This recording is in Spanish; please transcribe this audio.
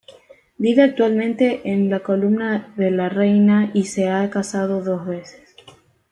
Vive actualmente en la comuna de La Reina y se ha casado dos veces.